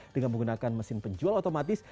dengan menggunakan mesin penjual otomatis